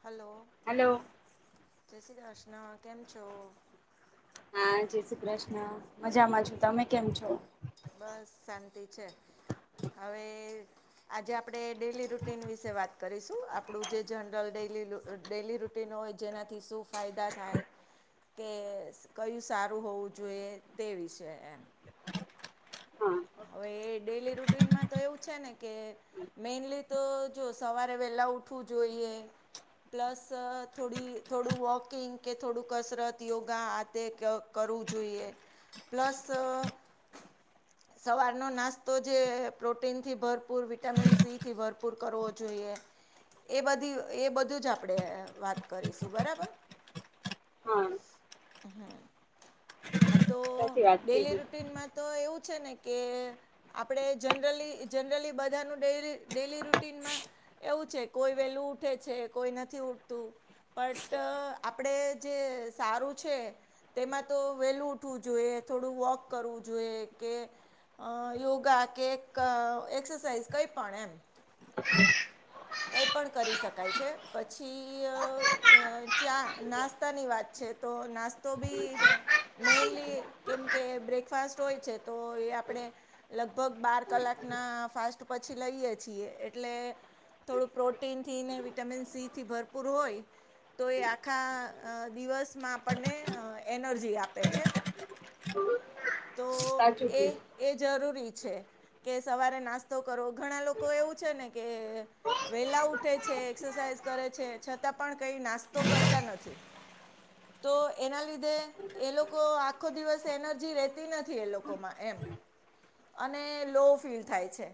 Hello hello. જય શ્રી કૃષ્ના કેમ છો? હા જય શ્રી કૃષ્ણ મજામાં છુ તમે કેમ છો? બસ શાંતિ છે હવે આજે આપણે ડેલી રૂટીન વિશે વાત કરીશું આપણું જે જનરલ ડલી ડેલી રૂટીન હોય જેનાથી શું ફાયદા થાય તો કે કયું સારું હોવું જોઈએ તે વિશે એમ. હા હવે એ ડેલી રૂટીનમાં તો એવું છે ને કે મેઈનલી તો જો સવારે વહેલા ઉઠવું જોઈએ. પ્લસ થોડી થોડું વોકિંગ કે થોડું કસરત યોગા આતે કે કરવું જોઈએ પ્લસ સવારનો નાસ્તો જે પ્રોટીનથી ભરપૂર વિટામિન સી થી ભરપૂર કરવો જોઈએ. એ બધી એ બધું જ આપણે વાત કરીશું બરાબર. હા. હા હા તો સાચી વાત ડેલી કીધી રૂટીનમાં તો એવું છે ને કે આપણે જનરલી જનરલી બધાનું ડેલી ડેલી રૂટીનમાં એવું છે કોઈ વેલું ઉઠે છે કોઈ નથી ઉઠતું. બટ આપણેે જે સારું છે તેમાં તો વેલું ઉઠવું જોઈએ, થોડું વોક કરવું, જોઈએ કે અ યોગા કે એક એક્સરસાઇઝ કંઈ પણ એમ [inaudible] કંઈ પણ કરી શકાય છે પછી અ ચા નાસ્તાની વાત છે. તો નાસ્તો ભી મેઈનલી કેમ કે બ્રેકફાસ્ટ હોય છે, તો એ આપણે,, લગભગ બાર કલાકના ફાસ્ટ પછી લઈએ છીએ એટલે થોડુંક પ્રોટીન થી ને વિટામિન સી થી ભરપૂર હોય, તો એ આખા દિવસમાં આપણને એનર્જી આપે છે. તો સાચું એ કીધું. એ જરૂરી છે કે સવારે નાસ્તો કરવો ઘણા લોકો એવું છે ને કે વેલા ઉઠે છે, એક્સરસાાઈઝ કરે છે, છતાં પણ કઈ નાસ્તો કરતા નથી. તો એના લીધે એ લોકો આખો દિવસ એનર્જી રહેતી નથી એ લોકોમાં એમ અને લો ફીલ થાય છે.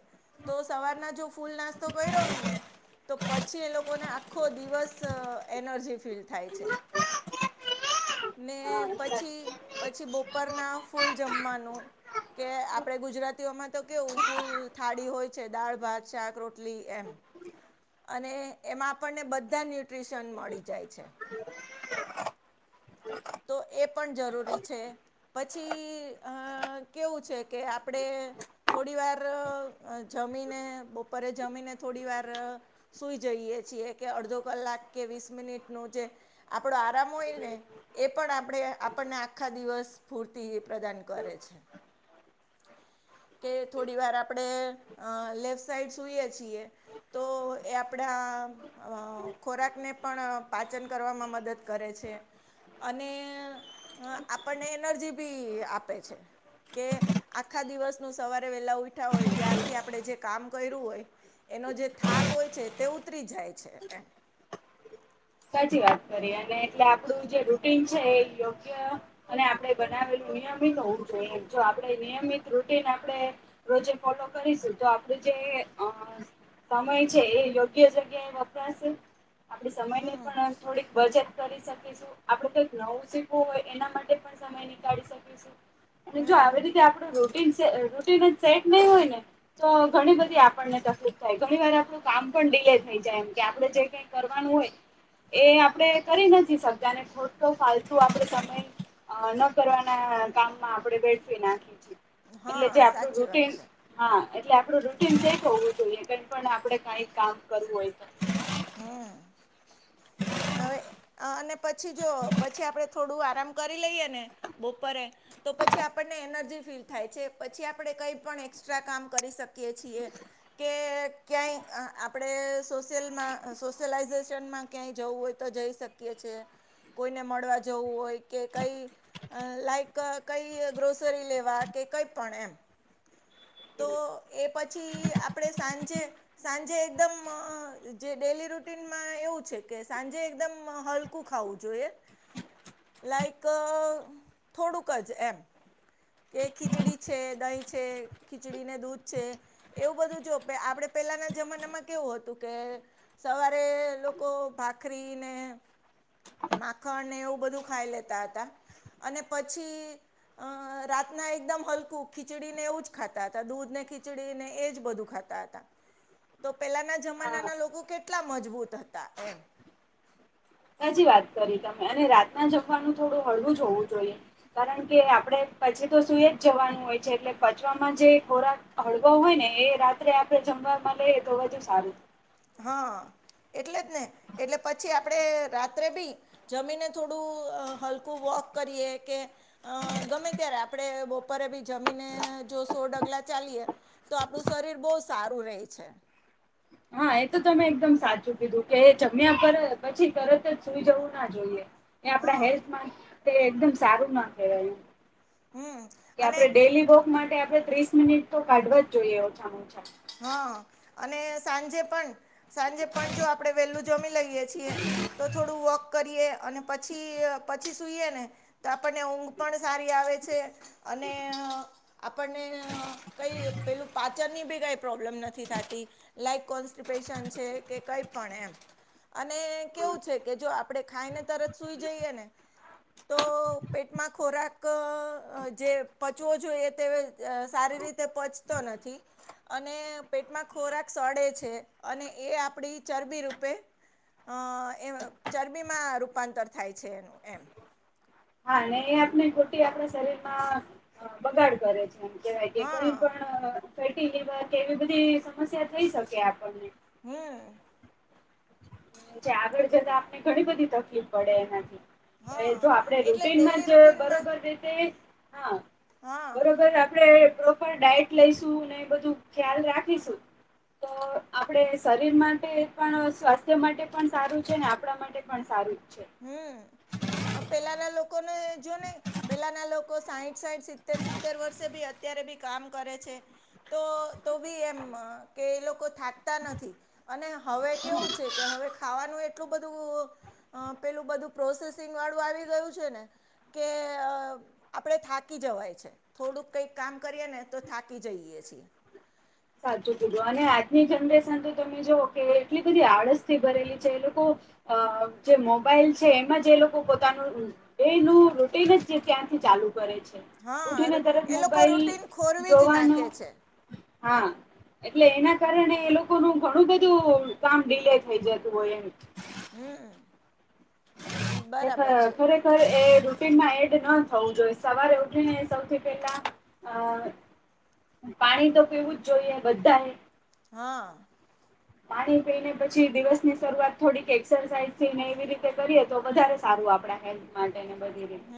તો સવારના જો ફૂલ નાસ્તો કર્યો હોય ને. તો પછી એ લોકોને આખો દિવસ એનર્જી ફીલ થાય છે. ને હા પછી, પછી બપોર ના ફૂલ જમવાનું. કે આપડે ગુજરાતીઓમાં તો કેવું, ફૂલ થાળી હોય છે. દાળ, ભાત, શાક, રોટલી એમ અને એમાં આપણને બધા ન્યુટ્રીશન મળી જાય છે, મામા! ! ! [unintelligible] તો એ પણ જરૂરી છે, પછી અઅ કેવું છે, કે આપડે થોડી વાર અ જમીને. બપોરે જમીને થોડી વાર સુઈ જઈએ છીએ. કે અડધો કલાક કે, વીસ મિનિટ નો જે આપડો આરામ હોય ને, એ આપડે આપણને આખા દિવસ ફૂર્તિ એ પ્રદાન કરે છે. કે થોડી વાર આપડે લેફ્ટ સાઈડ સુઈએ છીએ, તો એ આપડા ખોરાકને, પણ પાચન કરવામાં મદદ કરે છે. અને આપણને એનર્જી ભી આપે છે, કે આખા દિવસનું સવારે વેલા ઉઠિયા હોય, ત્યારથી આપડે જે કામ કર્યું હોય,, એનો જે થાક હોય છે, તે ઉતરી જાય છે એમ સાચી વાત કરીએ, અને એટલે આપડુ જે રૂટીન છે એ યોગ્ય અને આપડે બનાવેલું નિયમિત હોવું જોઈએ, જો આપડે નિયમિત રૂટિન આપડે રોજે ફોલો કરીશું, તો આપડું જે સમય છે, એ યોગ્ય જગ્યા એ વપરાશે, આપડી સમયની પણ થોડીક બચત કરી શકીશું, આપડે કઈક નવું શીખવું હોય એના માટે પણ તો એ નિરાળી શકીશું. અને જો આવી રીતે આપડે રૂટિન છે, રૂટિન જ સેટ નહી હોયને તો ઘણી બધી આપણને તકલીફ થાય, ઘણી વાર આપણું કામ પણ ડીલે થઈ જાય એમ કે, આપડે જે કઈ કરવાનું હોય એ આપણે કરી નથી શકતા, અને ખોટો ફાલતુ આપડે સમય અ.. ન કરવાના કામમાં આપડે વેડફી નાખીએ છીએ, હમ એટલે જે હા આપડું સાચી વાત રૂટીન છે હા એટલે આપડું રૂટીન સેટ હોવું જોઈએ, કઈ પણ આપડે કઈક કામ કરવું હોય તો હ, હવે અને પછી જો પછી જો, થોડું આરામ કરી લઈએ, ને બપોરે તો પછી આપણને એનર્જી ફીલ થાય છે, પછી આપડે કઈ પણ એક્સ્ટ્રા કામ કરી શકીએ છીએ કે ક્યાંય આપડે સોશિયલમાં, સોશિયલાઈઝેશનમાં ક્યાંય! ! જવું હોય તો જઈ શકીએ છે, કોઈને મળવા જવું હોય, કે કઈ! ! અ લાઇક, કંઈ ગ્રોસરી લેવા કે કંઈ પણ એમ. તો એ પછી આપડે સાંજે, સાંજે એકદમ જે ડેલી રૂટીનમાં એવું છે કે, સાંજે એકદમ, શું ખાવું જોઈએ લાઈક થોડુકજ એમ, ઇ કે ખીચડી છે દહીં છે, ખીચડીને દૂધ છે. એવું બધું જો આપડે પેલાના જમાના માં કેવું હતું કે સવારે લોકો ભાખરી ને માખણ ને એવું બધું ખાઈ લેતા હતા અને પછી અ રાતના એકદમ હલકું ખીચડીને એવું જ ખાતા હતા. દૂધ ને ખીચડીને એ જ બધું ખાતા. હતા. તો પેલાના હા જમાનાના લોકો કેટલા મજબૂત હતા એમ. સાચી વાત કરી તમે. અને રાતના જમવાનું થોડું હળવું જ હોવું જોઈએ. કારણ કે, આપડે પછી તો સુઈ જ જવાનું હોય છે. એટલે પચવામાં જે પણ જે ખોરાક હળવા હોય ને, એ રાત્રે આપડે જમવામાં લઈએ તો હજુ સારું. હ, એટલે જ ને, એટલે પછી આપણે રાત્રે બી જમીને થોડું હલકું વોક કરીએ કે અ ગમ્મે ત્યારે આપડે બપોરે બી જમીને સો ડગલા ચાલીએ તો આપણું શરીર બોવ સારું રેછે હા એ તો તમે એકદમ સાચું કીધું કે એ જમ્યા પર પછી તરત જ સુઈ જવું ના જોઈએ. એ આપણા હા હેલ્થમાં તે એકદમ સારું ના કહેવાય. હમ એ કે અને આપડે ડેલી વોક માટેઆપડે ત્રીસ મિનિટ તો કાઢવા જ જોઈએ ઓછામાં ઓછા. હું સાંજે પણ જો આપડે વેલુ જમી લઈએ છીએ તો થોડું વોક કરીએ અને પછી પછી સુઈએ ને તો આપણને ઊંઘ પણ સારી આવે છે. અને આપણને કઈ પેલું ઘરની બી કઈ પ્રોબ્લેમ નથી થતી લાઈક કોન્સ્ટપેશન છે કે કઈ પણ એમ અને કેવું છે કે જો ખાઇ ને તરત સૂઈ જઈએ ને, તો પેટમાં ખોરાક જે પચવો જોઈએ તે, સારી રીતે પચતો નથી, અને પેટમાં ખોરાક સડે છે અને એ આપડી ચરબી રૂપે અ એ ચરબી માં રૂપાંતર થાય છે એમ, હા અને એ આપણે ખોટી આપણા શરીર માં બગાડ કરે છે. કેવાય કે કોઈ હા પણ ફેટી લીવર કે એવી બધી સમસ્યા થઈ શકે આપણને. હમમ પછી આગળ જતા આપને ઘણી બધી તકલીફ પડે એનાથી. એ હા જો આપડે એટલે રૂટીનમાં ડેલી જ રૂટીનમાં બરોબર રીતે જ હા હા બરોબર આપણેે પ્રોપર ડાયટ લઈશું અને બધું ખ્યાલ રાખીશું. તો આપડે શરીર માટે પણ સ્વાસ્થ્ય માટે પણ સારુ છે ને આપણા માટે પણ સારું છે, હમમ પેલાના લોકોને જોને પેલાના લોકો સાઈઠ સાઈઠ સિત્તેર સિત્તેર વર્ષે બી અત્યારે બી કામ કરે છે તો તો બી એમ, કે એ લોકો થાકતા નથી અને હવે કેવું છે કે હવે ખાવાનું એટલું બધું પેલું બધું પ્રોસેસીંગ વાળું આવી ગયું છે ને કે, આપડે થાકી જવાય છે થોડુંક કઈક કામ કરીએ ને તો થાકી જવાય છે, સાચું કીધું અને આજની જનરેશન તો તમે જુવો કે એટલી બધી આળસ થી ભરેલી છે. એ લોકો અ જે મોબાઇલ છે એમાજ એ લોકો પોતાનું એનું રૂટિન જ જે તે ત્યાંથી ચાલુ કરે છે. હા ઉઠીને તરત એ લોકો મોબાઈલ રૂટીન ખોરવી જ જોવાનું, નાખે છે હા. એટલે એના કારણે એ લોકોનું ઘણું બધું કામ ડીલે થઈ જતું હોય એમ. હમ્મ. એ ખર ખરે ખર એ રૂટીનમાં એડ ન થવું જોઈએ. સવારે ઉઠીને સૌથી પહેલાં અહ પાણી તો પીવું જ જોઈએ બધાએ. હા. પાણી પી ને પછી દિવસની શરૂઆત થોડીક એક્સરસાઇઝ થઈને એવી રીતે કરીએ તો વધારે સારું આપણા હેલ્થ માટે ને બધી રીતે.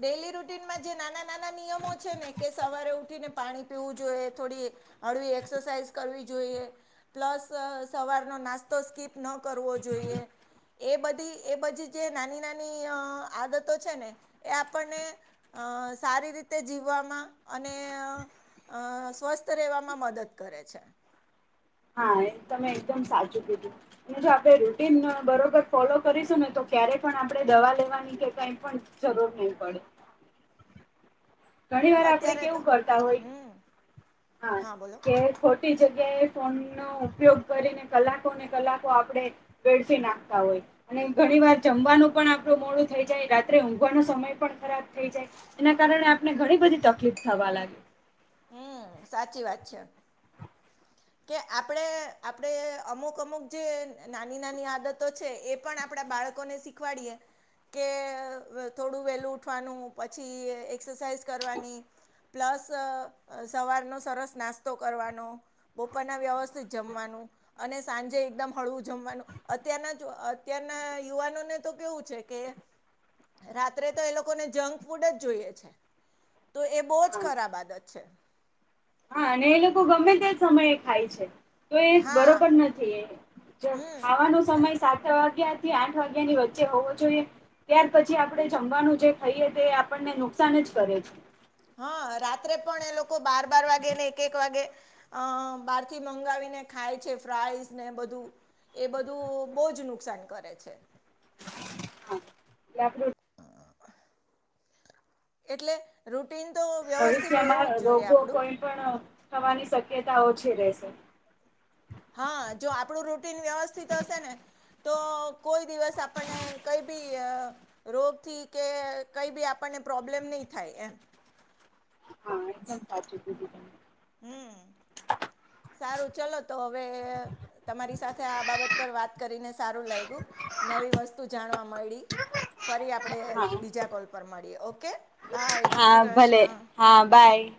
ડેઈલી રૂટીનમાં જે નાના-નાના નિયમો છે ને કે સવારે ઉઠીને પાણી પીવું જોઈએ, થોડી હળવી એક્સરસાાઈઝ કરવી જોઈએ. પ્લસ સવારનો નાસ્તો સ્કીપ ન કરવો જોઈએ. એ બધી એ બધી જે નાની-નાની અહ આદતો છે ને એ આપણને અહ સારી રીતે જીવવામાં, અને અહ અહ સ્વસ્થ રહેવામાં મદદ કરે છે. હા એ જ તમે એકદમ સાચું કીધું. અને જો આપણે રૂટીન બરોબર ફોલો કરીશું ને તો ક્યારે પણ આપણે દવા લેવાની કે કાંઈ પણ જરૂર નહીં પડે. ઘણી વાર આપણે અત્યારે તો કેવું કરતા હોય, હમ હા. કે ખોટ ટી જગ્યાએ ફોનનો ઉપયોગ કરીને કલાકોને કલાકો આપણે વેડફી નાખતા હોય. અને ઘણી વાર જમવાનું પણ આપણું મોડું થઈ જાય, રાત્રે ઊંઘવાનો સમય પણ ખરાબ થઈ જાય. એના કારણે આપને ઘણી બધી તકલીફ થવા લાગે. હમ્મ સાચી વાત છે. કે આપણે-આપણે અમુક-અમુક જે નાની-નાની આદતો છે, એ પણ આપણા બાળક કો ને શીખવાડીએે. કે વ થોડું વહેલું ઉઠવાનું, પછી એક્સરસાાઈઝ કરવાની પ્લસ અહ સવારનો સરસ નાસ્તો કરવાનો. બપોરના વ્યવસ્થિત જમવાનું. અને સાંજે એકદમ હળવું જમવાનું. અત્યારના જો અત્યારના યુવાનોને તો કેવું છે કે રાત્રે તો એ લોકોને જંક ફૂડ જ જોઈએ છે. તો એ બોવ જ હા ખરાબ આદત છે. હા. અને એ લોકો ગમે તે સમયે ખાય છે. તો એ જ હા બરોબર નથી એ. જમ ખાવાનો હમ સમય સાત વાગ્યા થી આઠ વાગ્યા ની વચ્ચે હોવો જોઈએ. ત્યાર પછી આપણે જમવાનું જે ખાઈએ તે આપણને નુકસાન જ કરે છ. હા. રાત્રે પણ એ લોકો બાર-બાર વાગે ને એક-એક વાગે અહ બહારથી મંગાવીને ખાય છે, ફ્રાઈઝ ને એ બધું. એ બધું બહુ જ નુકસાન કરે છે. હા. એટલે આપણું એટલે રૂટીન તો વ્યવસ્થિત હોવું જ ભવિષ્યમાં જોઈએ રોગો આપણું. કોઈ પણ થવાની શક્યતા ઓછી રહેશે. હા. જો આપણું રૂટીન વ્યવસ્થિત હશે ને તો કોઈ દિવસ આપણને કઈ બી અ રોગથી કે કઈ બી આપણને પ્રોબ્લેમ નહી થાય એમ. હા એકદમ સાચું કીધું તમે હમ્મ. સારું ચલો તો હવે તમારી સાથે આ બાબત પર વાત કરીને સારું લાયગુ. નવી વસ્તુ જાણવા મળી તમે. ફરી આપણે હા બીજા કોલ પર મળીએ ઓકે. બાય જય હા શ્રી ભલે કૃષ્ણ હા બાય.